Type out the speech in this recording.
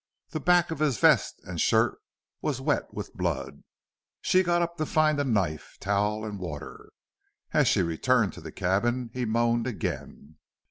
The back of his vest and shirt was wet with blood. She got up to find a knife, towel, and water. As she returned to the cabin he moaned again.